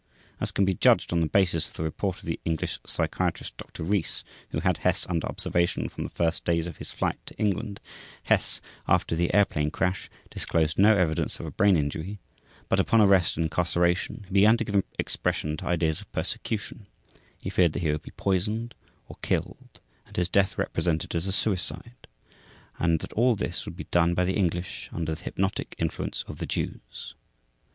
As can be judged on the basis of the report of the English psychiatrist, Doctor Rees, who had Hess under observation from the first days of his flight to England, Hess, after the airplane crash, disclosed no evidence of a brain injury, but, upon arrest and incarceration, he began to give expression to ideas of persecution, he feared that he would be poisoned, or killed, and his death represented as a suicide, and that all this would be done by the English under the hypnotic influence of the Jews.